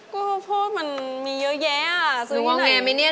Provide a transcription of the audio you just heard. ก็ข้าวโพสมันมีเยอะแยะเอาเงียบหน่อย